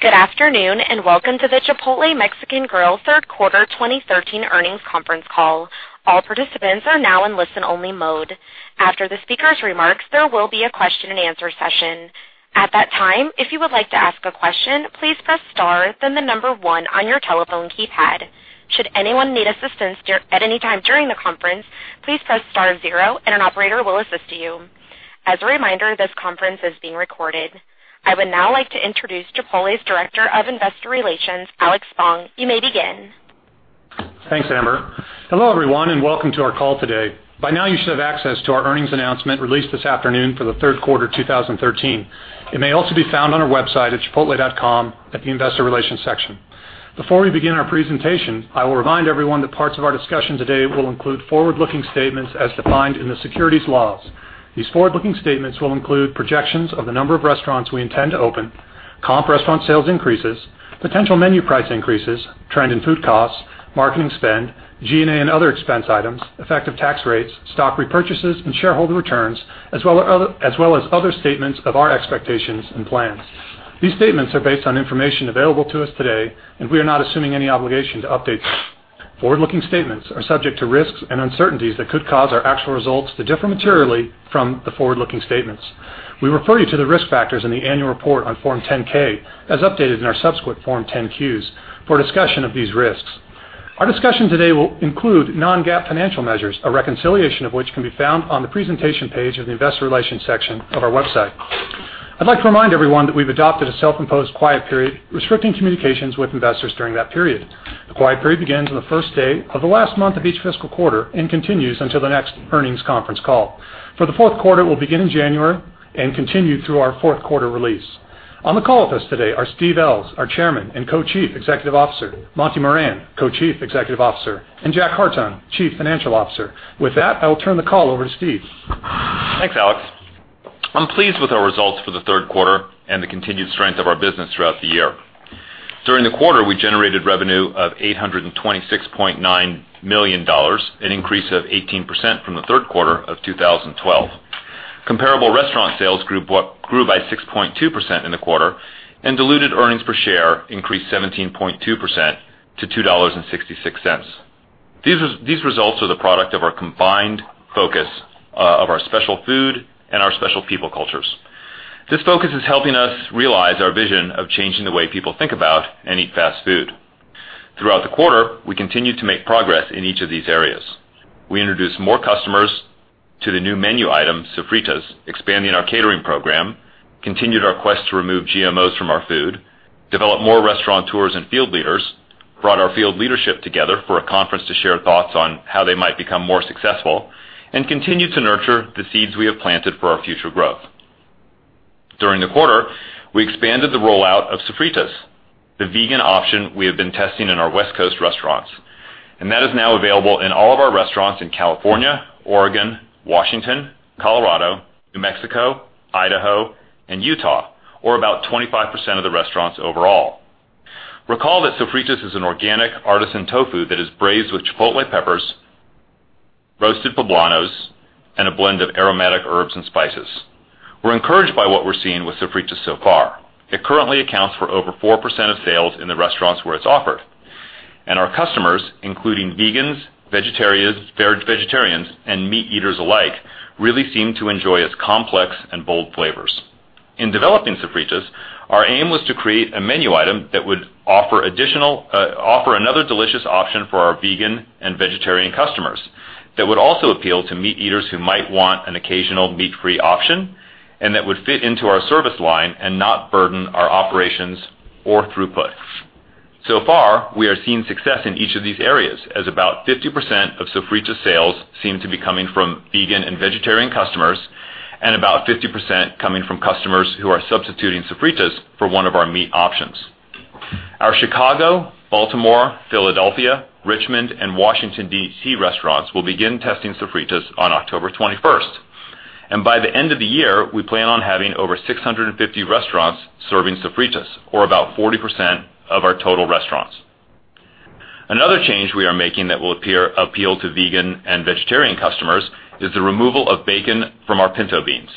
Good afternoon, and welcome to the Chipotle Mexican Grill third quarter 2013 earnings conference call. All participants are now in listen-only mode. After the speakers' remarks, there will be a question and answer session. At that time, if you would like to ask a question, please press star, then the number one on your telephone keypad. Should anyone need assistance at any time during the conference, please press star zero and an operator will assist you. As a reminder, this conference is being recorded. I would now like to introduce Chipotle's Director of Investor Relations, Alex Spong. You may begin. Thanks, Amber. Hello, everyone, and welcome to our call today. By now you should have access to our earnings announcement released this afternoon for the third quarter 2013. It may also be found on our website at chipotle.com at the investor relations section. Before we begin our presentation, I will remind everyone that parts of our discussion today will include forward-looking statements as defined in the securities laws. These forward-looking statements will include projections of the number of restaurants we intend to open, comp restaurant sales increases, potential menu price increases, trend in food costs, marketing spend, G&A and other expense items, effective tax rates, stock repurchases, and shareholder returns, as well as other statements of our expectations and plans. These statements are based on information available to us today, we are not assuming any obligation to update them. Forward-looking statements are subject to risks and uncertainties that could cause our actual results to differ materially from the forward-looking statements. We refer you to the risk factors in the annual report on Form 10-K as updated in our subsequent Form 10-Qs for a discussion of these risks. Our discussion today will include non-GAAP financial measures, a reconciliation of which can be found on the presentation page of the investor relations section of our website. I'd like to remind everyone that we've adopted a self-imposed quiet period restricting communications with investors during that period. The quiet period begins on the first day of the last month of each fiscal quarter and continues until the next earnings conference call. For the fourth quarter, it will begin in January and continue through our fourth-quarter release. On the call with us today are Steve Ells, our Chairman and Co-Chief Executive Officer, Monty Moran, Co-Chief Executive Officer, and Jack Hartung, Chief Financial Officer. With that, I will turn the call over to Steve. Thanks, Alex. I'm pleased with our results for the third quarter and the continued strength of our business throughout the year. During the quarter, we generated revenue of $826.9 million, an increase of 18% from the third quarter of 2012. Comparable restaurant sales grew by 6.2% in the quarter, and diluted earnings per share increased 17.2% to $2.66. These results are the product of our combined focus of our special food and our special people cultures. This focus is helping us realize our vision of changing the way people think about and eat fast food. Throughout the quarter, we continued to make progress in each of these areas. We introduced more customers to the new menu item, Sofritas, expanding our catering program, continued our quest to remove GMOs from our food, developed more restaurateurs and field leaders, brought our field leadership together for a conference to share thoughts on how they might become more successful, and continued to nurture the seeds we have planted for our future growth. During the quarter, we expanded the rollout of Sofritas, the vegan option we have been testing in our West Coast restaurants, and that is now available in all of our restaurants in California, Oregon, Washington, Colorado, New Mexico, Idaho, and Utah, or about 25% of the restaurants overall. Recall that Sofritas is an organic artisan tofu that is braised with chipotle peppers, roasted poblanos, and a blend of aromatic herbs and spices. We're encouraged by what we're seeing with Sofritas so far. It currently accounts for over 4% of sales in the restaurants where it's offered. Our customers, including vegans, vegetarians, and meat eaters alike, really seem to enjoy its complex and bold flavors. In developing Sofritas, our aim was to create a menu item that would offer another delicious option for our vegan and vegetarian customers that would also appeal to meat eaters who might want an occasional meat-free option, and that would fit into our service line and not burden our operations or throughput. So far, we are seeing success in each of these areas, as about 50% of Sofritas sales seem to be coming from vegan and vegetarian customers and about 50% coming from customers who are substituting Sofritas for one of our meat options. Our Chicago, Baltimore, Philadelphia, Richmond, and Washington, D.C., restaurants will begin testing Sofritas on October 21st, and by the end of the year, we plan on having over 650 restaurants serving Sofritas, or about 40% of our total restaurants. Another change we are making that will appeal to vegan and vegetarian customers is the removal of bacon from our pinto beans.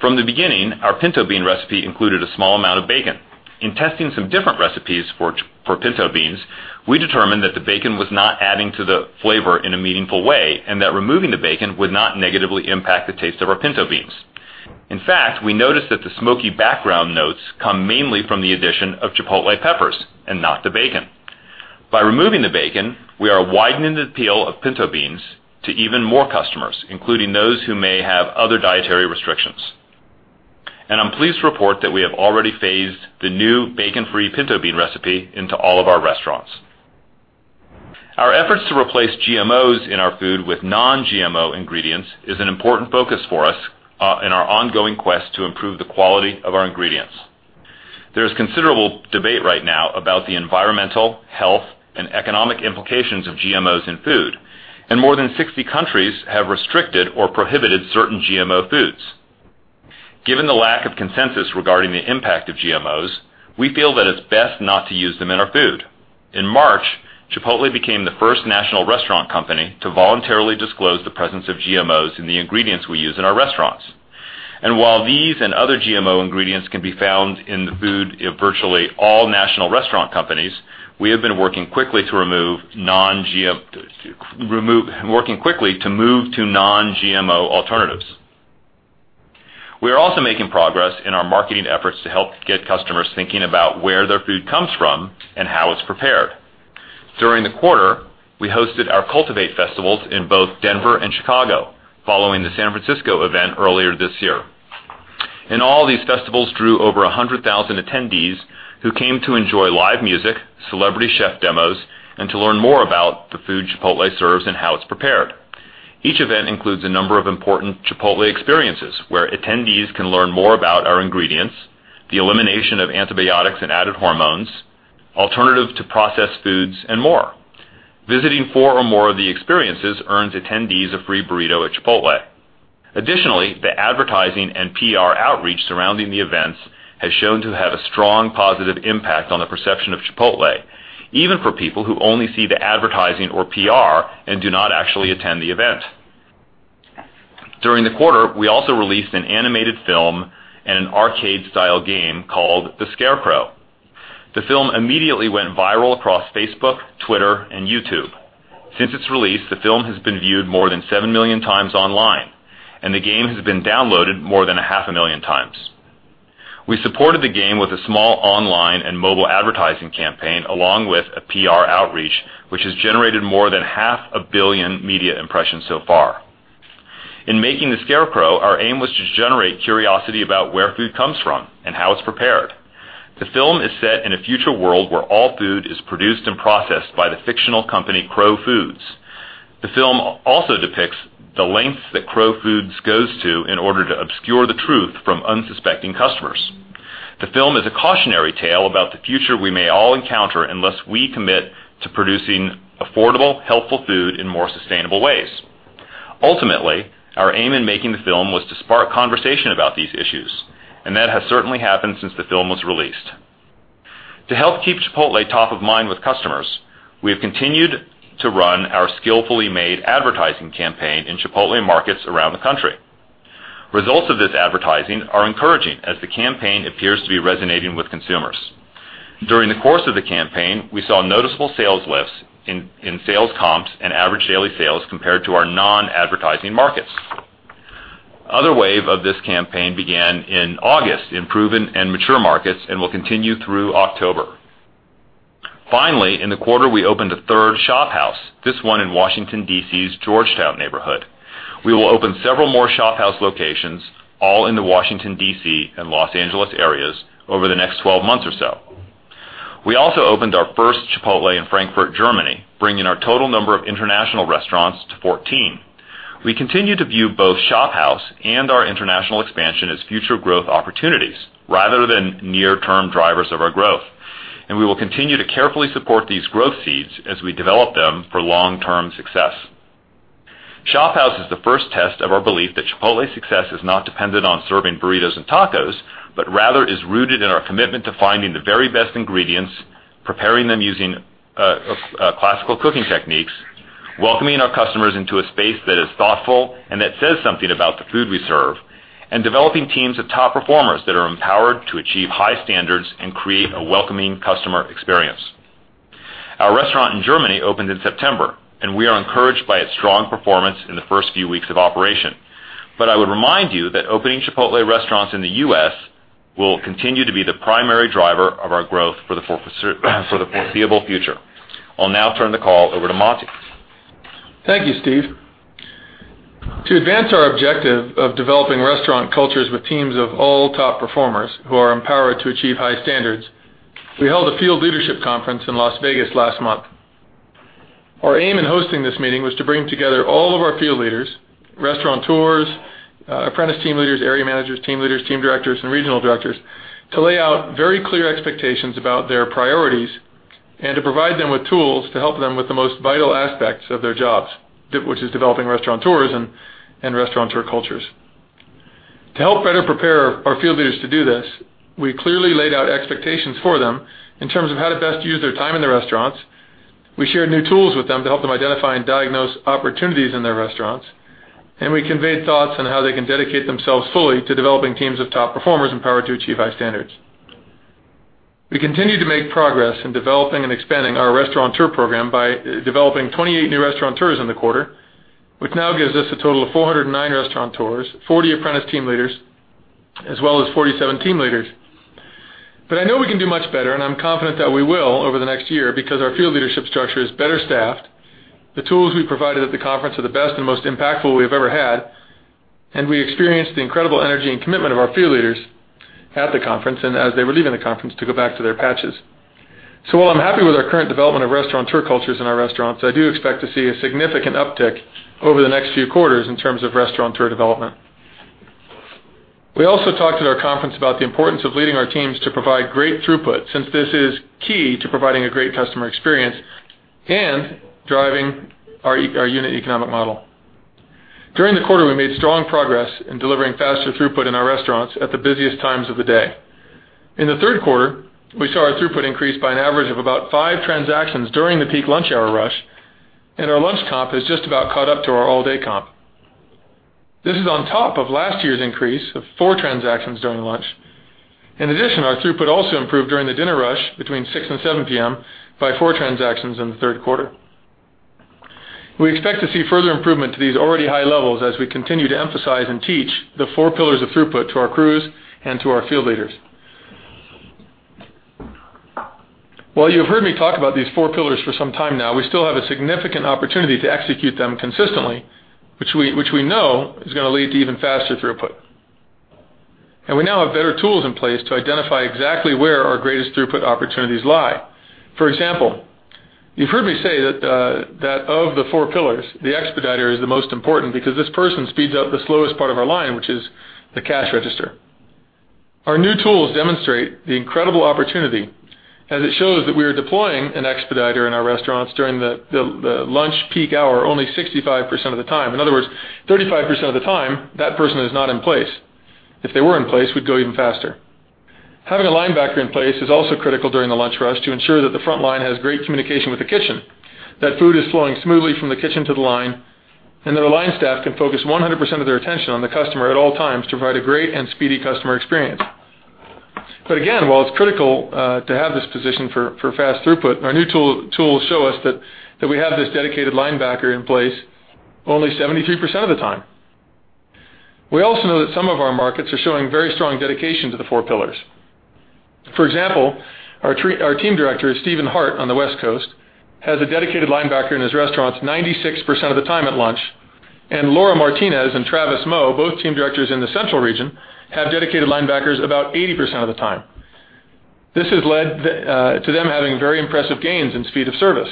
From the beginning, our pinto bean recipe included a small amount of bacon. In testing some different recipes for pinto beans, we determined that the bacon was not adding to the flavor in a meaningful way and that removing the bacon would not negatively impact the taste of our pinto beans. In fact, we noticed that the smoky background notes come mainly from the addition of chipotle peppers and not the bacon. By removing the bacon, we are widening the appeal of pinto beans to even more customers, including those who may have other dietary restrictions. I'm pleased to report that we have already phased the new bacon-free pinto bean recipe into all of our restaurants. Our efforts to replace GMOs in our food with non-GMO ingredients is an important focus for us in our ongoing quest to improve the quality of our ingredients. There is considerable debate right now about the environmental, health, and economic implications of GMOs in food, more than 60 countries have restricted or prohibited certain GMO foods. Given the lack of consensus regarding the impact of GMOs, we feel that it's best not to use them in our food. In March, Chipotle became the first national restaurant company to voluntarily disclose the presence of GMOs in the ingredients we use in our restaurants. While these and other GMO ingredients can be found in the food in virtually all national restaurant companies, we have been working quickly to move to non-GMO alternatives. We are also making progress in our marketing efforts to help get customers thinking about where their food comes from and how it's prepared. During the quarter, we hosted our Cultivate festivals in both Denver and Chicago, following the San Francisco event earlier this year. In all of these, festivals drew over 100,000 attendees who came to enjoy live music, celebrity chef demos, and to learn more about the food Chipotle serves and how it's prepared. Each event includes a number of important Chipotle experiences, where attendees can learn more about our ingredients, the elimination of antibiotics and added hormones, alternatives to processed foods, and more. Visiting four or more of the experiences earns attendees a free burrito at Chipotle. Additionally, the advertising and PR outreach surrounding the events has shown to have a strong positive impact on the perception of Chipotle, even for people who only see the advertising or PR and do not actually attend the event. During the quarter, we also released an animated film and an arcade-style game called "The Scarecrow." The film immediately went viral across Facebook, Twitter, and YouTube. Since its release, the film has been viewed more than 7 million times online, and the game has been downloaded more than a half a million times. We supported the game with a small online and mobile advertising campaign, along with a PR outreach, which has generated more than half a billion media impressions so far. In making "The Scarecrow," our aim was to generate curiosity about where food comes from and how it's prepared. The film is set in a future world where all food is produced and processed by the fictional company Crow Foods. The film also depicts the lengths that Crow Foods goes to in order to obscure the truth from unsuspecting customers. The film is a cautionary tale about the future we may all encounter unless we commit to producing affordable, healthful food in more sustainable ways. Ultimately, our aim in making the film was to spark conversation about these issues, that has certainly happened since the film was released. To help keep Chipotle top of mind with customers, we have continued to run our skillfully made advertising campaign in Chipotle markets around the country. Results of this advertising are encouraging, as the campaign appears to be resonating with consumers. During the course of the campaign, we saw noticeable sales lifts in sales comps and average daily sales compared to our non-advertising markets. A wave of this campaign began in August in proven and mature markets and will continue through October. Finally, in the quarter, we opened a third ShopHouse, this one in Washington, D.C.'s Georgetown neighborhood. We will open several more ShopHouse locations, all in the Washington, D.C., and L.A. areas over the next 12 months or so. We also opened our first Chipotle in Frankfurt, Germany, bringing our total number of international restaurants to 14. We continue to view both ShopHouse and our international expansion as future growth opportunities rather than near-term drivers of our growth, and we will continue to carefully support these growth seeds as we develop them for long-term success. ShopHouse is the first test of our belief that Chipotle's success is not dependent on serving burritos and tacos, rather is rooted in our commitment to finding the very best ingredients, preparing them using classical cooking techniques, welcoming our customers into a space that is thoughtful and that says something about the food we serve, and developing teams of top performers that are empowered to achieve high standards and create a welcoming customer experience. Our restaurant in Germany opened in September, and we are encouraged by its strong performance in the first few weeks of operation. I would remind you that opening Chipotle restaurants in the U.S. will continue to be the primary driver of our growth for the foreseeable future. I'll now turn the call over to Monty. Thank you, Steve. To advance our objective of developing restaurant cultures with teams of all top performers who are empowered to achieve high standards, we held a field leadership conference in Las Vegas last month. Our aim in hosting this meeting was to bring together all of our Field Leaders, Restaurateurs, Apprentice Team Leaders, Area Managers, Team Leaders, Team Directors, and Regional Directors to lay out very clear expectations about their priorities and to provide them with tools to help them with the most vital aspects of their jobs, which is developing Restaurateurs and Restaurateur cultures. To help better prepare our Field Leaders to do this, we clearly laid out expectations for them in terms of how to best use their time in the restaurants, we shared new tools with them to help them identify and diagnose opportunities in their restaurants, and we conveyed thoughts on how they can dedicate themselves fully to developing teams of top performers empowered to achieve high standards. We continue to make progress in developing and expanding our Restaurateur Program by developing 28 new Restaurateurs in the quarter, which now gives us a total of 409 Restaurateurs, 40 Apprentice Team Leaders, as well as 47 Team Leaders. I know we can do much better, I'm confident that we will over the next year because our field leadership structure is better staffed, the tools we provided at the conference are the best and most impactful we've ever had, We experienced the incredible energy and commitment of our field leaders at the conference and as they were leaving the conference to go back to their patches. While I'm happy with our current development of restauranteur cultures in our restaurants, I do expect to see a significant uptick over the next few quarters in terms of restauranteur development. We also talked at our conference about the importance of leading our teams to provide great throughput, since this is key to providing a great customer experience and driving our unit economic model. During the quarter, we made strong progress in delivering faster throughput in our restaurants at the busiest times of the day. In the third quarter, we saw our throughput increase by an average of about five transactions during the peak lunch hour rush, and our lunch comp has just about caught up to our all-day comp. This is on top of last year's increase of four transactions during lunch. In addition, our throughput also improved during the dinner rush between 6:00 P.M. and 7:00 P.M. by four transactions in the third quarter. We expect to see further improvement to these already high levels as we continue to emphasize and teach the four pillars of throughput to our crews and to our field leaders. While you have heard me talk about these four pillars for some time now, we still have a significant opportunity to execute them consistently, which we know is going to lead to even faster throughput. We now have better tools in place to identify exactly where our greatest throughput opportunities lie. For example, you've heard me say that of the four pillars, the expediter is the most important because this person speeds up the slowest part of our line, which is the cash register. Our new tools demonstrate the incredible opportunity as it shows that we are deploying an expediter in our restaurants during the lunch peak hour only 65% of the time. In other words, 35% of the time, that person is not in place. If they were in place, we'd go even faster. Having a linebacker in place is also critical during the lunch rush to ensure that the front line has great communication with the kitchen, that food is flowing smoothly from the kitchen to the line, that the line staff can focus 100% of their attention on the customer at all times to provide a great and speedy customer experience. Again, while it's critical to have this position for fast throughput, our new tools show us that we have this dedicated linebacker in place only 73% of the time. We also know that some of our markets are showing very strong dedication to the four pillars. For example, our team director, Steven Hart on the West Coast, has a dedicated linebacker in his restaurants 96% of the time at lunch, and Laura Martinez and Travis Moe, both team directors in the Central region, have dedicated linebackers about 80% of the time. This has led to them having very impressive gains in speed of service.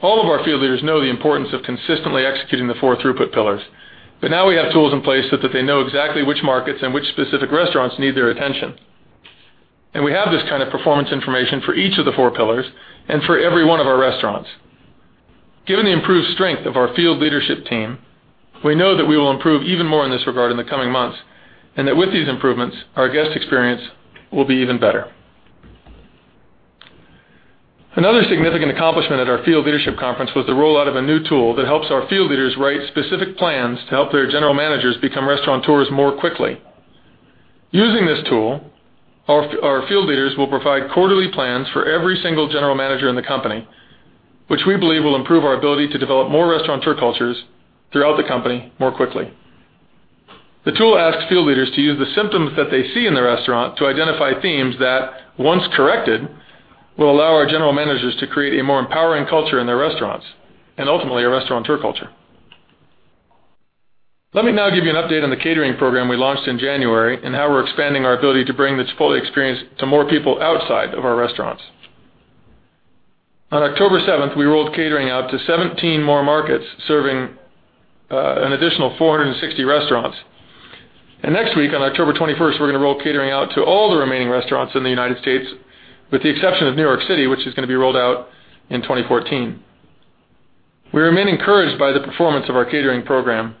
All of our field leaders know the importance of consistently executing the four throughput pillars, but now we have tools in place so that they know exactly which markets and which specific restaurants need their attention. We have this kind of performance information for each of the four pillars and for every one of our restaurants. Given the improved strength of our field leadership team, we know that we will improve even more in this regard in the coming months, and that with these improvements, our guest experience will be even better. Another significant accomplishment at our field leadership conference was the rollout of a new tool that helps our field leaders write specific plans to help their general managers become restaurateurs more quickly. Using this tool, our field leaders will provide quarterly plans for every single general manager in the company, which we believe will improve our ability to develop more restaurateur cultures throughout the company more quickly. The tool asks field leaders to use the symptoms that they see in the restaurant to identify themes that, once corrected, will allow our general managers to create a more empowering culture in their restaurants, and ultimately, a restaurateur culture. Let me now give you an update on the catering program we launched in January and how we're expanding our ability to bring this full experience to more people outside of our restaurants. On October 7th, we rolled catering out to 17 more markets, serving an additional 460 restaurants. Next week, on October 21st, we're going to roll catering out to all the remaining restaurants in the United States, with the exception of New York City, which is going to be rolled out in 2014. We remain encouraged by the performance of our catering program.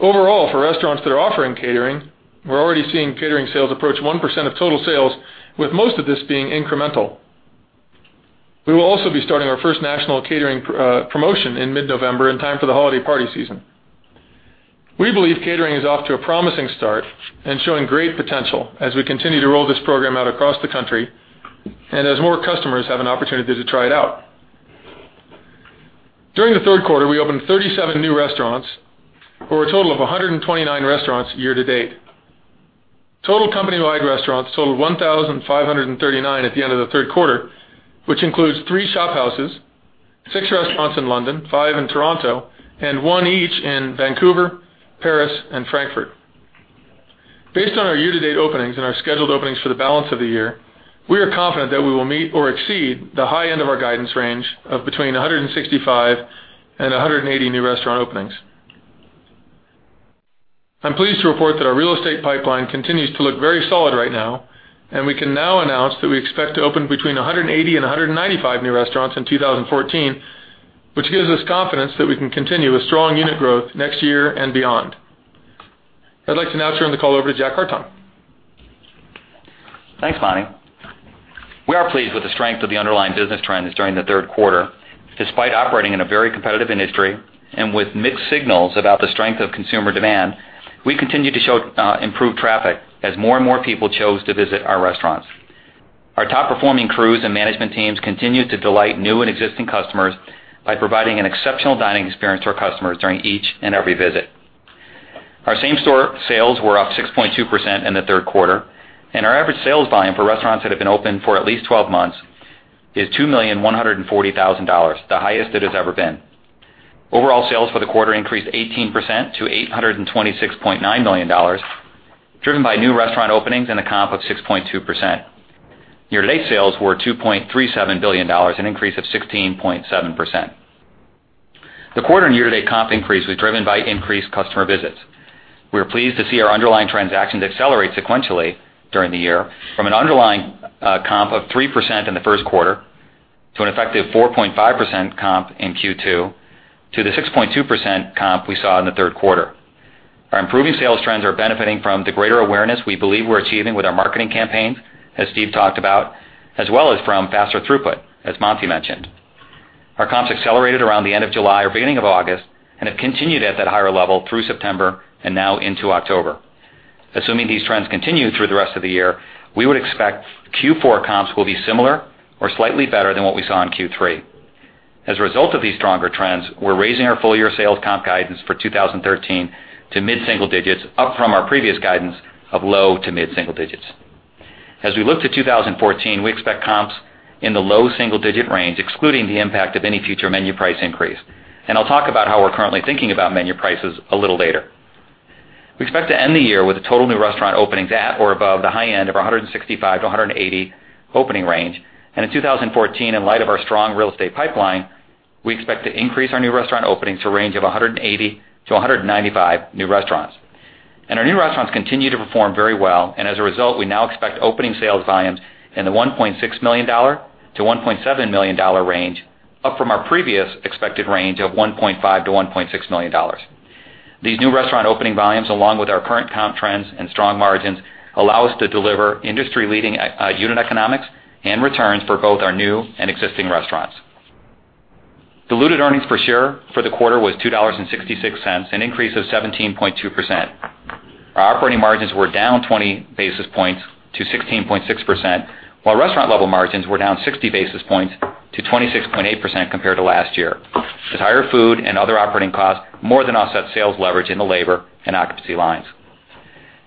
Overall, for restaurants that are offering catering, we're already seeing catering sales approach 1% of total sales, with most of this being incremental. We will also be starting our first national catering promotion in mid-November in time for the holiday party season. We believe catering is off to a promising start and showing great potential as we continue to roll this program out across the country and as more customers have an opportunity to try it out. During the third quarter, we opened 37 new restaurants for a total of 129 restaurants year to date. Total company-wide restaurants totaled 1,539 at the end of the third quarter, which includes three Shop Houses, six restaurants in London, five in Toronto, and one each in Vancouver, Paris, and Frankfurt. Based on our year-to-date openings and our scheduled openings for the balance of the year, we are confident that we will meet or exceed the high end of our guidance range of between 165 and 180 new restaurant openings. I'm pleased to report that our real estate pipeline continues to look very solid right now. We can now announce that we expect to open between 180 and 195 new restaurants in 2014, which gives us confidence that we can continue a strong unit growth next year and beyond. I'd like to now turn the call over to Jack Hartung. Thanks, Monty. We are pleased with the strength of the underlying business trends during the third quarter. Despite operating in a very competitive industry and with mixed signals about the strength of consumer demand, we continue to show improved traffic as more and more people chose to visit our restaurants. Our top-performing crews and management teams continue to delight new and existing customers by providing an exceptional dining experience to our customers during each and every visit. Our same-store sales were up 6.2% in the third quarter. Our average sales volume for restaurants that have been open for at least 12 months is $2,140,000, the highest it has ever been. Overall sales for the quarter increased 18% to $826.9 million, driven by new restaurant openings and a comp of 6.2%. Year-to-date sales were $2.37 billion, an increase of 16.7%. The quarter and year-to-date comp increase was driven by increased customer visits. We are pleased to see our underlying transactions accelerate sequentially during the year from an underlying comp of 3% in the first quarter to an effective 4.5% comp in Q2 to the 6.2% comp we saw in the third quarter. Our improving sales trends are benefiting from the greater awareness we believe we're achieving with our marketing campaigns, as Steve talked about, as well as from faster throughput, as Monty mentioned. Our comps accelerated around the end of July or beginning of August and have continued at that higher level through September and now into October. Assuming these trends continue through the rest of the year, we would expect Q4 comps will be similar or slightly better than what we saw in Q3. As a result of these stronger trends, we're raising our full year sales comp guidance for 2013 to mid-single digits, up from our previous guidance of low to mid-single digits. As we look to 2014, we expect comps in the low double-digit range, excluding the impact of any future menu price increase. I'll talk about how we're currently thinking about menu prices a little later. We expect to end the year with total new restaurant openings at or above the high end of 165 to 180 opening range. In 2014, in light of our strong real estate pipeline, we expect to increase our new restaurant openings to a range of 180 to 195 new restaurants. Our new restaurants continue to perform very well, as a result, we now expect opening sales volumes in the $1.6 million-$1.7 million range, up from our previous expected range of $1.5 million-$1.6 million. These new restaurant opening volumes, along with our current comp trends and strong margins, allow us to deliver industry-leading unit economics and returns for both our new and existing restaurants. Diluted earnings per share for the quarter was $2.66, an increase of 17.2%. Our operating margins were down 20 basis points to 16.6%, while restaurant level margins were down 60 basis points to 26.8% compared to last year, as higher food and other operating costs more than offset sales leverage in the labor and occupancy lines.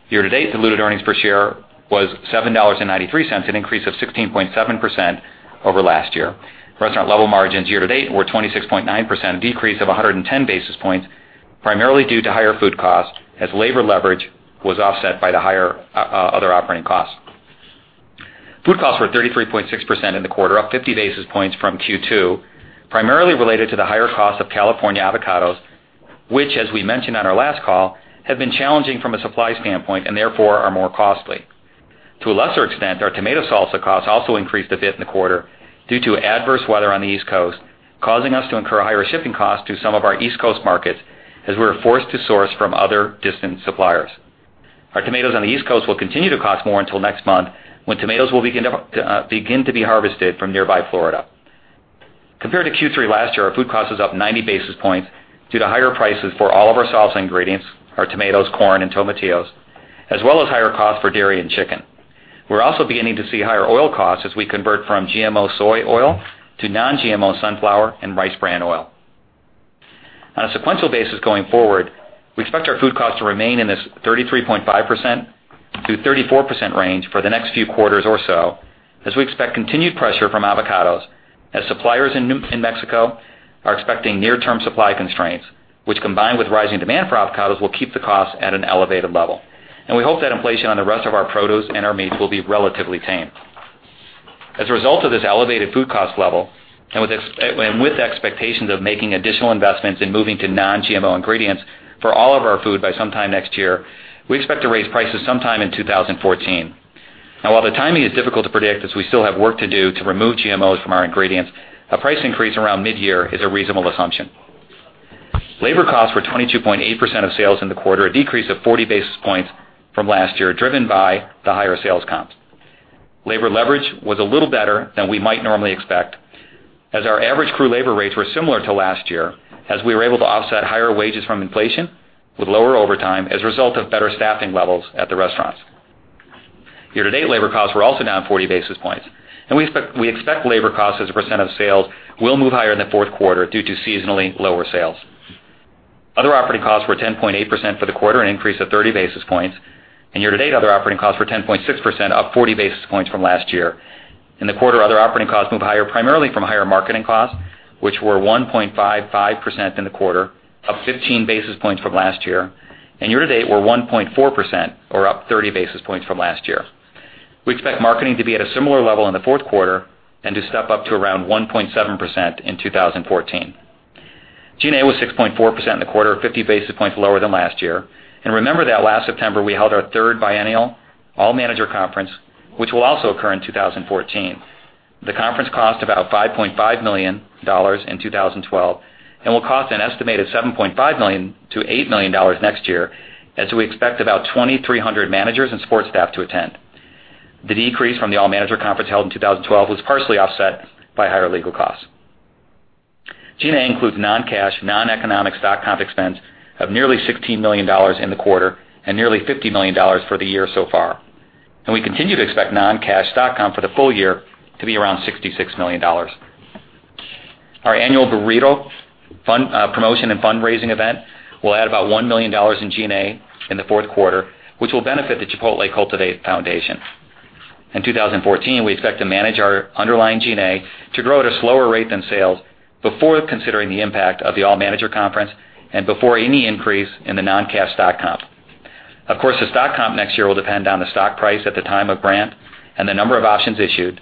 Year-to-date diluted earnings per share was $7.93, an increase of 16.7% over last year. Restaurant level margins year-to-date were 26.9%, a decrease of 110 basis points, primarily due to higher food costs as labor leverage was offset by the higher other operating costs. Food costs were 33.6% in the quarter, up 50 basis points from Q2, primarily related to the higher cost of California avocados, which as we mentioned on our last call, have been challenging from a supply standpoint and therefore are more costly. To a lesser extent, our tomato salsa costs also increased a bit in the quarter due to adverse weather on the East Coast, causing us to incur higher shipping costs to some of our East Coast markets as we were forced to source from other distant suppliers. Our tomatoes on the East Coast will continue to cost more until next month, when tomatoes will begin to be harvested from nearby Florida. Compared to Q3 last year, our food cost is up 90 basis points due to higher prices for all of our salsa ingredients, our tomatoes, corn, and tomatillos, as well as higher costs for dairy and chicken. We're also beginning to see higher oil costs as we convert from GMO soy oil to non-GMO sunflower and rice bran oil. On a sequential basis going forward, we expect our food costs to remain in this 33.5%-34% range for the next few quarters or so, as we expect continued pressure from avocados, as suppliers in Mexico are expecting near-term supply constraints, which, combined with rising demand for avocados, will keep the cost at an elevated level. We hope that inflation on the rest of our produce and our meats will be relatively tame. As a result of this elevated food cost level, and with the expectations of making additional investments in moving to non-GMO ingredients for all of our food by sometime next year, we expect to raise prices sometime in 2014. Now, while the timing is difficult to predict, as we still have work to do to remove GMOs from our ingredients, a price increase around mid-year is a reasonable assumption. Labor costs were 22.8% of sales in the quarter, a decrease of 40 basis points from last year, driven by the higher sales comps. Labor leverage was a little better than we might normally expect, as our average crew labor rates were similar to last year, as we were able to offset higher wages from inflation with lower overtime as a result of better staffing levels at the restaurants. Year-to-date labor costs were also down 40 basis points. We expect labor costs as a percent of sales will move higher in the fourth quarter due to seasonally lower sales. Other operating costs were 10.8% for the quarter, an increase of 30 basis points. Year-to-date other operating costs were 10.6%, up 40 basis points from last year. In the quarter, other operating costs moved higher primarily from higher marketing costs, which were 1.55% in the quarter, up 15 basis points from last year. Year-to-date were 1.4%, or up 30 basis points from last year. We expect marketing to be at a similar level in the fourth quarter and to step up to around 1.7% in 2014. G&A was 6.4% in the quarter, 50 basis points lower than last year. Remember that last September, we held our third biennial all-manager conference, which will also occur in 2014. The conference cost about $5.5 million in 2012 and will cost an estimated $7.5 million-$8 million next year, as we expect about 2,300 managers and support staff to attend. The decrease from the all-manager conference held in 2012 was partially offset by higher legal costs. G&A includes non-cash, non-economic stock comp expense of nearly $16 million in the quarter and nearly $50 million for the year so far. We continue to expect non-cash stock comp for the full year to be around $66 million. Our annual burrito promotion and fundraising event will add about $1 million in G&A in the fourth quarter, which will benefit the Chipotle Cultivate Foundation. In 2014, we expect to manage our underlying G&A to grow at a slower rate than sales before considering the impact of the all-manager conference and before any increase in the non-cash stock comp. Of course, the stock comp next year will depend on the stock price at the time of grant and the number of options issued.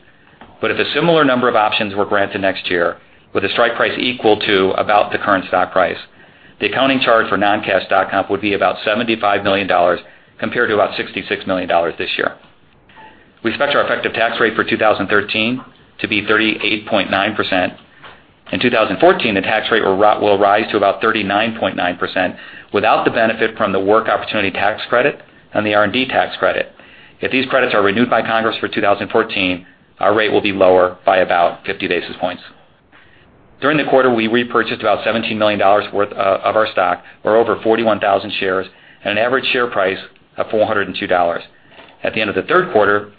If a similar number of options were granted next year with a strike price equal to about the current stock price, the accounting charge for non-cash comp would be about $75 million compared to about $66 million this year. We expect our effective tax rate for 2013 to be 38.9%. In 2014, the tax rate will rise to about 39.9% without the benefit from the Work Opportunity Tax Credit and the R&D Tax Credit. If these credits are renewed by Congress for 2014, our rate will be lower by about 50 basis points. During the quarter, we repurchased about $17 million worth of our stock, or over 41,000 shares, at an average share price of $402. At the end of the third quarter,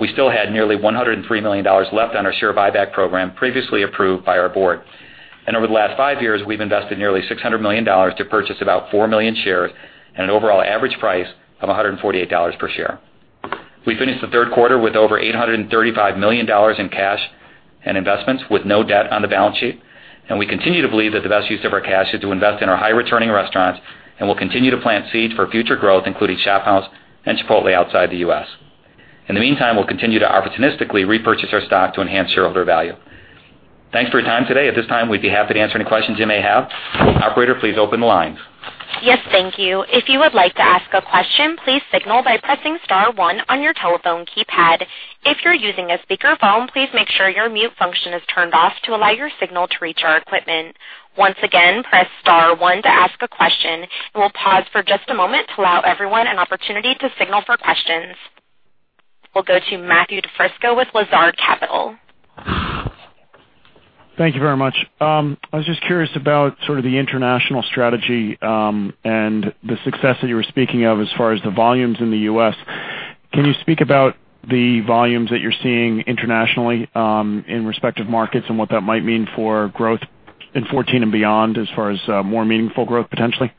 we still had nearly $103 million left on our share buyback program previously approved by our board. Over the last five years, we've invested nearly $600 million to purchase about four million shares at an overall average price of $148 per share. We finished the third quarter with over $835 million in cash and investments with no debt on the balance sheet. We continue to believe that the best use of our cash is to invest in our high-returning restaurants and will continue to plant seeds for future growth, including ShopHouse and Chipotle outside the U.S. In the meantime, we'll continue to opportunistically repurchase our stock to enhance shareholder value. Thanks for your time today. At this time, we'd be happy to answer any questions you may have. Operator, please open the lines. Yes, thank you. If you would like to ask a question, please signal by pressing *1 on your telephone keypad. If you're using a speakerphone, please make sure your mute function is turned off to allow your signal to reach our equipment. Once again, press *1 to ask a question, and we'll pause for just a moment to allow everyone an opportunity to signal for questions. We'll go to Matthew DiFrisco with Lazard Capital. Thank you very much. I was just curious about the international strategy and the success that you were speaking of as far as the volumes in the U.S. Can you speak about the volumes that you're seeing internationally in respective markets and what that might mean for growth in 2014 and beyond, as far as more meaningful growth, potentially?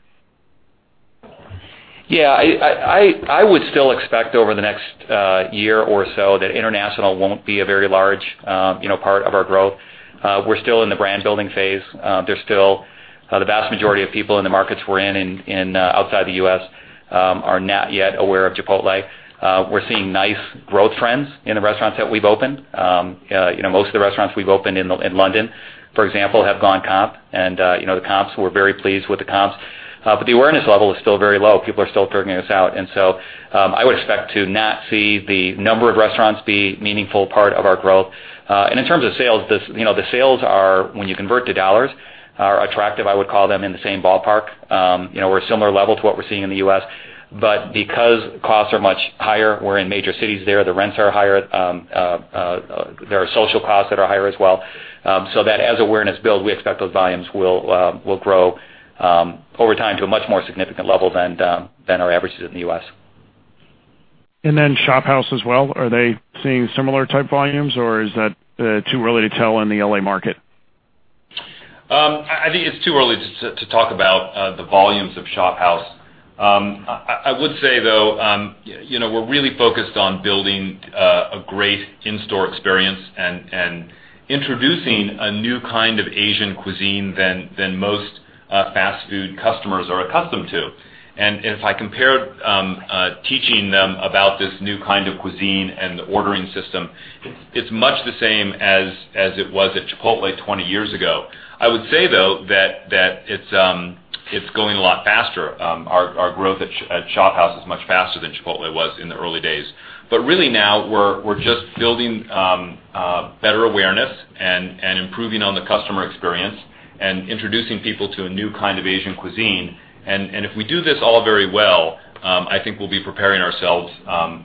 Yeah. I would still expect over the next year or so that international won't be a very large part of our growth. We're still in the brand-building phase. The vast majority of people in the markets we're in outside the U.S. are not yet aware of Chipotle. We're seeing nice growth trends in the restaurants that we've opened. Most of the restaurants we've opened in London, for example, have gone comp, and we're very pleased with the comps. The awareness level is still very low. People are still figuring us out. So I would expect to not see the number of restaurants be a meaningful part of our growth. In terms of sales, the sales are, when you convert to U.S. dollars, are attractive. I would call them in the same ballpark or a similar level to what we're seeing in the U.S. Because costs are much higher, we're in major cities there, the rents are higher. There are social costs that are higher as well, so that as awareness builds, we expect those volumes will grow over time to a much more significant level than our averages in the U.S. ShopHouse as well, are they seeing similar type volumes, or is that too early to tell in the L.A. market? I think it's too early to talk about the volumes of ShopHouse. I would say, though, we're really focused on building a great in-store experience and introducing a new kind of Asian cuisine than most fast food customers are accustomed to. If I compared teaching them about this new kind of cuisine and the ordering system, it's much the same as it was at Chipotle 20 years ago. I would say, though, that it's going a lot faster. Our growth at ShopHouse is much faster than Chipotle was in the early days. Really now, we're just building better awareness and improving on the customer experience and introducing people to a new kind of Asian cuisine. If we do this all very well, I think we'll be preparing ourselves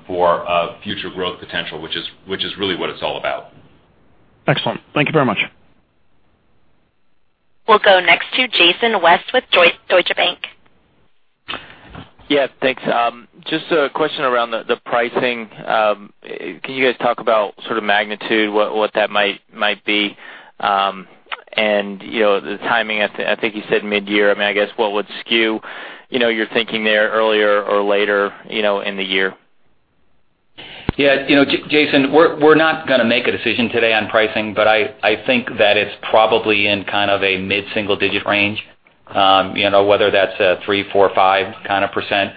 for future growth potential, which is really what it's all about. Excellent. Thank you very much. We'll go next to Jason West with Deutsche Bank. Yeah, thanks. Just a question around the pricing. Can you guys talk about magnitude, what that might be, and the timing? I think you said mid-year. I guess what would skew your thinking there earlier or later in the year? Yeah, Jason, we're not going to make a decision today on pricing, but I think that it's probably in a mid-single-digit range, whether that's a 3%, 4%,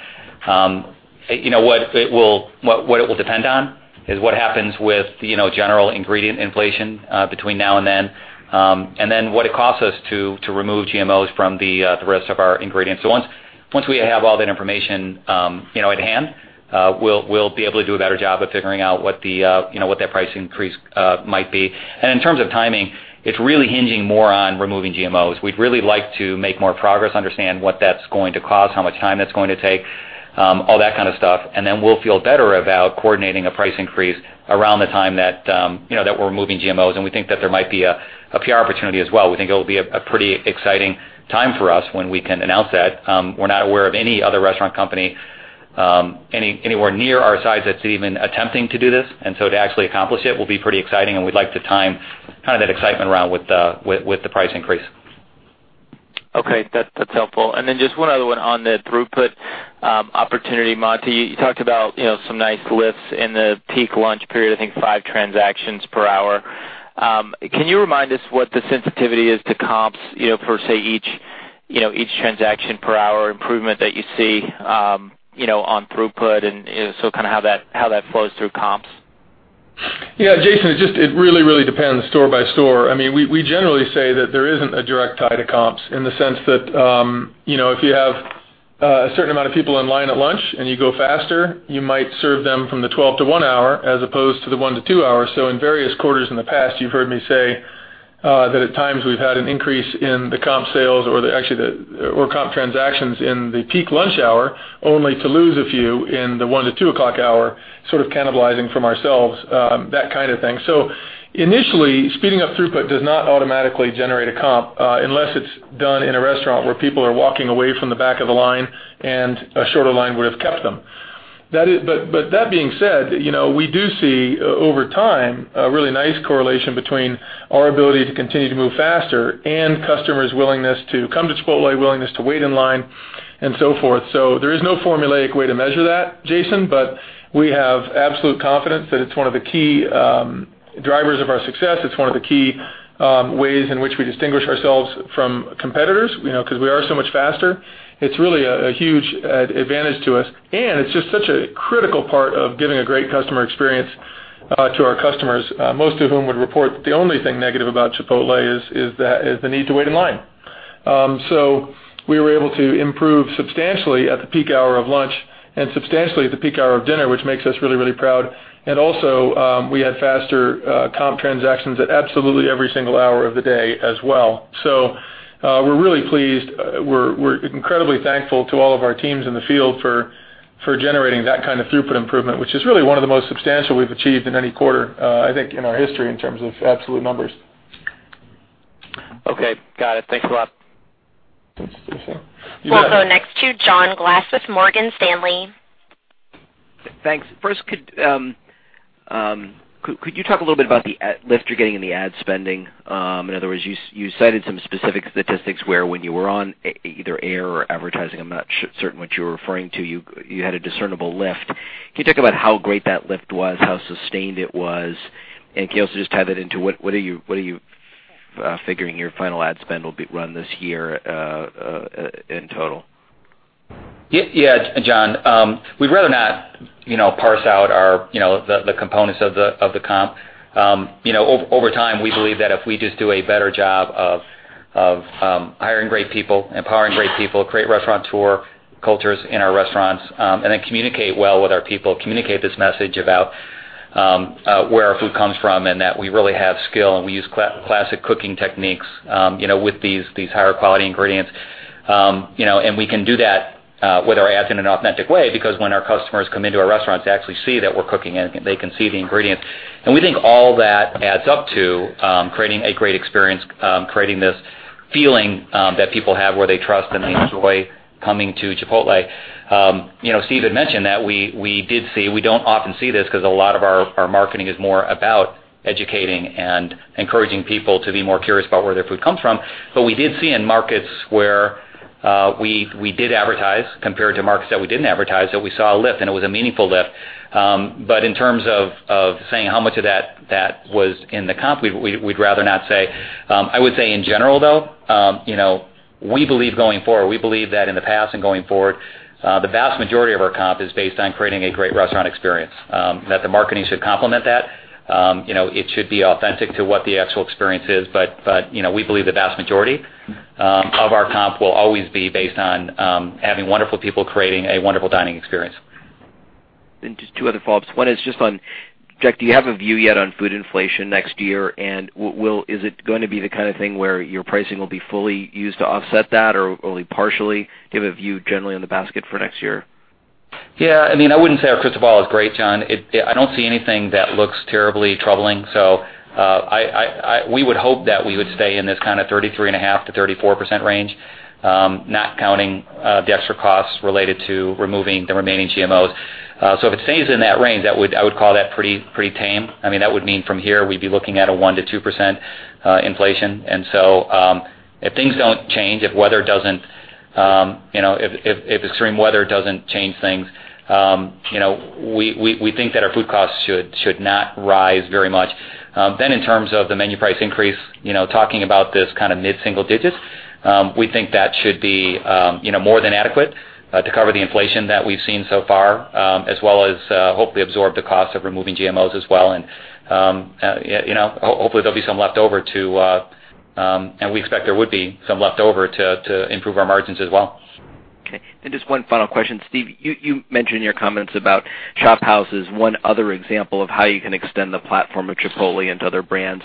5%. What it will depend on is what happens with general ingredient inflation between now and then, and then what it costs us to remove GMOs from the rest of our ingredients. Once we have all that information in hand, we'll be able to do a better job of figuring out what that price increase might be. In terms of timing, it's really hinging more on removing GMOs. We'd really like to make more progress, understand what that's going to cost, how much time that's going to take, all that kind of stuff, and then we'll feel better about coordinating a price increase around the time that we're removing GMOs. We think that there might be a PR opportunity as well. We think it will be a pretty exciting time for us when we can announce that. We're not aware of any other restaurant company anywhere near our size that's even attempting to do this. To actually accomplish it will be pretty exciting, and we'd like to time that excitement round with the price increase. Okay. That's helpful. Just one other one on the throughput opportunity. Monty, you talked about some nice lifts in the peak lunch period, I think five transactions per hour. Can you remind us what the sensitivity is to comps for, say, each transaction per hour improvement that you see on throughput and so how that flows through comps? Yeah, Jason, it really depends store by store. We generally say that there isn't a direct tie to comps in the sense that, if you have a certain amount of people in line at lunch and you go faster, you might serve them from the 12 to 1 hour as opposed to the 1 to 2 hour. In various quarters in the past, you've heard me say that at times we've had an increase in the comp sales or comp transactions in the peak lunch hour, only to lose a few in the 1 to 2 o'clock hour, sort of cannibalizing from ourselves, that kind of thing. Initially, speeding up throughput does not automatically generate a comp, unless it's done in a restaurant where people are walking away from the back of a line and a shorter line would've kept them. That being said, we do see over time a really nice correlation between our ability to continue to move faster and customers' willingness to come to Chipotle, willingness to wait in line, and so forth. There is no formulaic way to measure that, Jason, but we have absolute confidence that it's one of the key drivers of our success. It's one of the key ways in which we distinguish ourselves from competitors, because we are so much faster. It's really a huge advantage to us, and it's just such a critical part of giving a great customer experience to our customers, most of whom would report the only thing negative about Chipotle is the need to wait in line. We were able to improve substantially at the peak hour of lunch and substantially at the peak hour of dinner, which makes us really proud. Also, we had faster comp transactions at absolutely every single hour of the day as well. We're really pleased. We're incredibly thankful to all of our teams in the field for generating that kind of throughput improvement, which is really one of the most substantial we've achieved in any quarter, I think, in our history in terms of absolute numbers. Okay. Got it. Thanks a lot. Welcome. Next to John Glass with Morgan Stanley. Thanks. First, could you talk a little bit about the lift you're getting in the ad spending? In other words, you cited some specific statistics where when you were on either air or advertising, I'm not certain what you were referring to, you had a discernible lift. Can you talk about how great that lift was, how sustained it was, and can you also just tie that into what are you figuring your final ad spend will run this year in total? Yeah, John. We'd rather not parse out the components of the comp. Over time, we believe that if we just do a better job of hiring great people, empowering great people, create restaurateur cultures in our restaurants, then communicate well with our people, communicate this message about where our food comes from, and that we really have skill, and we use classic cooking techniques with these higher quality ingredients. We can do that with our ads in an authentic way, because when our customers come into our restaurants, they actually see that we're cooking and they can see the ingredients. We think all that adds up to creating a great experience, creating this feeling that people have where they trust and they enjoy coming to Chipotle. Steve had mentioned that we did see, we don't often see this because a lot of our marketing is more about educating and encouraging people to be more curious about where their food comes from. We did see in markets where we did advertise compared to markets that we didn't advertise, that we saw a lift, and it was a meaningful lift. In terms of saying how much of that was in the comp, we'd rather not say. I would say in general, though, we believe that in the past and going forward, the vast majority of our comp is based on creating a great restaurant experience. That the marketing should complement that. It should be authentic to what the actual experience is, but we believe the vast majority of our comp will always be based on having wonderful people creating a wonderful dining experience. Just two other follow-ups. One is just on, Jack, do you have a view yet on food inflation next year, and is it going to be the kind of thing where your pricing will be fully used to offset that or only partially? Do you have a view generally on the basket for next year? Yeah, I wouldn't say our crystal ball is great, John. I don't see anything that looks terribly troubling. We would hope that we would stay in this kind of 33.5%-34% range, not counting the extra costs related to removing the remaining GMOs. If it stays in that range, I would call that pretty tame. That would mean from here we'd be looking at a 1%-2% inflation. If things don't change, if extreme weather doesn't change things, we think that our food costs should not rise very much. In terms of the menu price increase, talking about this kind of mid-single digits, we think that should be more than adequate to cover the inflation that we've seen so far, as well as hopefully absorb the cost of removing GMOs as well. Hopefully there'll be some leftover too, and we expect there would be some leftover to improve our margins as well. Okay. Just one final question. Steve, you mentioned in your comments about ShopHouse as one other example of how you can extend the platform of Chipotle into other brands.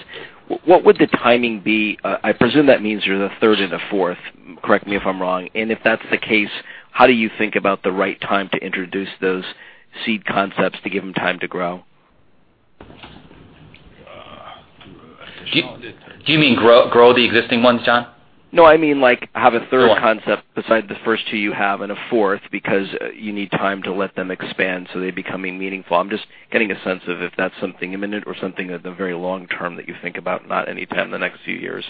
What would the timing be? I presume that means there's a third and a fourth, correct me if I'm wrong. If that's the case, how do you think about the right time to introduce those seed concepts to give them time to grow? Do you mean grow the existing ones, John? I mean have a third concept beside the first two you have and a fourth because you need time to let them expand so they become meaningful. I'm just getting a sense of if that's something imminent or something that the very long term that you think about, not anytime in the next few years.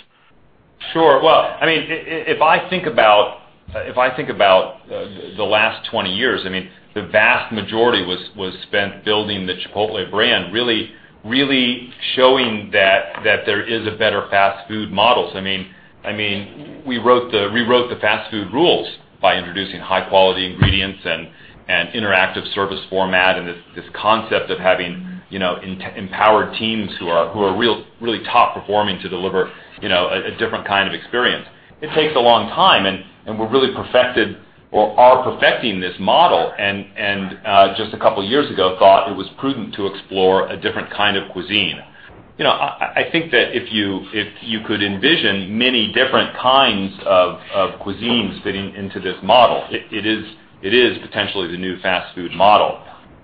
Sure. Well, if I think about the last 20 years, the vast majority was spent building the Chipotle brand, really showing that there is a better fast food model. We wrote the fast food rules by introducing high-quality ingredients and interactive service format, and this concept of having empowered teams who are really top performing to deliver a different kind of experience. It takes a long time, and we've really perfected or are perfecting this model, and just a couple of years ago, thought it was prudent to explore a different kind of cuisine. I think that if you could envision many different kinds of cuisines fitting into this model, it is potentially the new fast food model.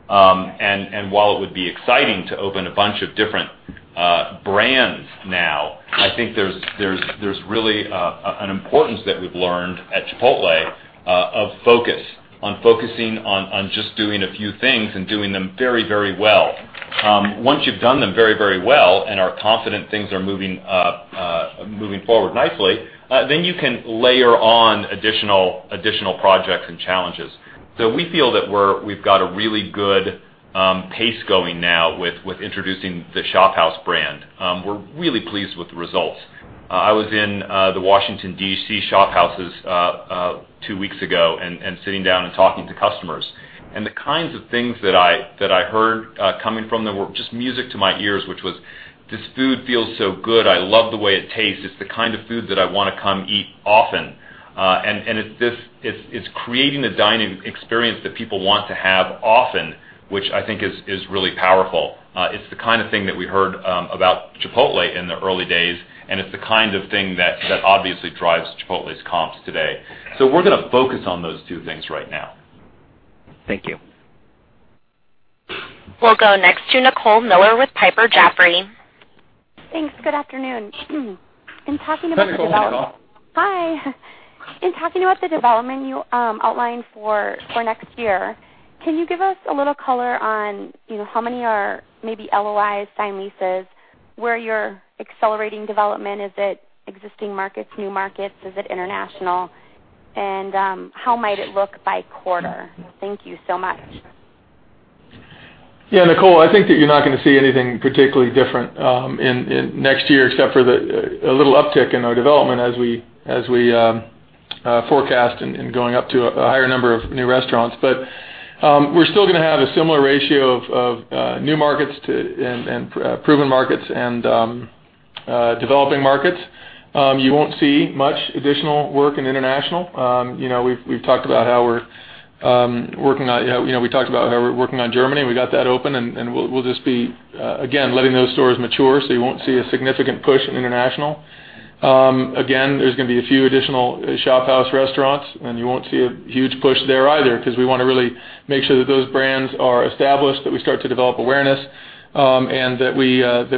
While it would be exciting to open a bunch of different brands now, I think there's really an importance that we've learned at Chipotle, of focus, on focusing on just doing a few things and doing them very well. Once you've done them very well and are confident things are moving forward nicely, then you can layer on additional projects and challenges. We feel that we've got a really good pace going now with introducing the ShopHouse brand. We're really pleased with the results. I was in the Washington, D.C. ShopHouses two weeks ago and sitting down and talking to customers. The kinds of things that I heard coming from them were just music to my ears, which was, "This food feels so good. I love the way it tastes. It's the kind of food that I want to come eat often." It's creating the dining experience that people want to have often, which I think is really powerful. It's the kind of thing that we heard about Chipotle in the early days, it's the kind of thing that obviously drives Chipotle's comps today. We're going to focus on those two things right now. Thank you. We'll go next to Nicole Miller with Piper Jaffray. Thanks. Good afternoon. Hi, Nicole. Hi. In talking about the development you outlined for next year, can you give us a little color on how many are maybe LOIs, signed leases, where you're accelerating development? Is it existing markets, new markets? Is it international? How might it look by quarter? Thank you so much. Yeah, Nicole, I think that you're not going to see anything particularly different next year except for a little uptick in our development as we forecast and going up to a higher number of new restaurants. We're still going to have a similar ratio of new markets and proven markets and developing markets. You won't see much additional work in international. We've talked about how we're working on Germany. We got that open, and we'll just be, again, letting those stores mature, so you won't see a significant push in international. Again, there's going to be a few additional ShopHouse restaurants, and you won't see a huge push there either because we want to really make sure that those brands are established, that we start to develop awareness, and that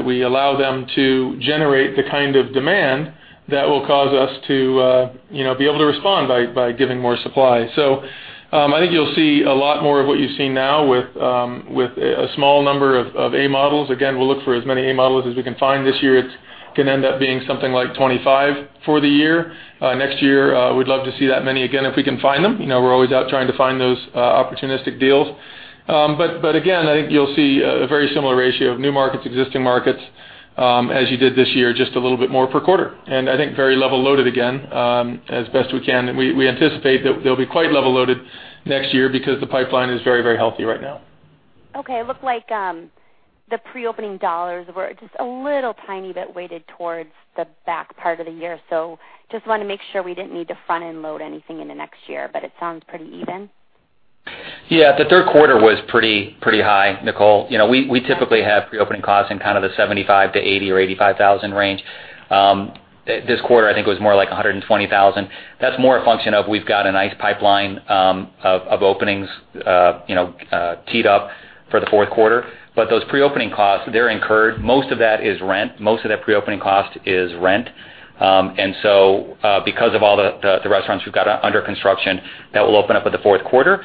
we allow them to generate the kind of demand that will cause us to be able to respond by giving more supply. I think you'll see a lot more of what you see now with a small number of A models. Again, we'll look for as many A models as we can find this year. It can end up being something like 25 for the year. Next year, we'd love to see that many again, if we can find them. We're always out trying to find those opportunistic deals. Again, I think you'll see a very similar ratio of new markets, existing markets, as you did this year, just a little bit more per quarter. I think very level loaded again, as best we can. We anticipate that they'll be quite level loaded next year because the pipeline is very healthy right now. Okay. It looked like the pre-opening $ were just a little tiny bit weighted towards the back part of the year. Just want to make sure we didn't need to front-end load anything in the next year, it sounds pretty even. Yeah, the third quarter was pretty high, Nicole. We typically have pre-opening costs in kind of the $75,000-$80,000 or $85,000 range. This quarter, I think, was more like $120,000. That's more a function of we've got a nice pipeline of openings teed up for the fourth quarter. Those pre-opening costs, they're incurred. Most of that is rent. Most of that pre-opening cost is rent. Because of all the restaurants we've got under construction that will open up in the fourth quarter,